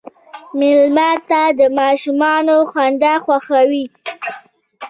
مېلمه ته د ماشومانو خندا خوښوي.